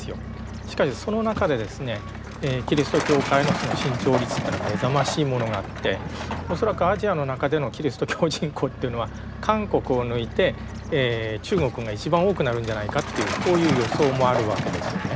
しかしその中でですねキリスト教会の伸長率というのは目覚ましいものがあって恐らくアジアの中でのキリスト教人口というのは韓国を抜いて中国が一番多くなるんじゃないかというこういう予想もあるわけですよね。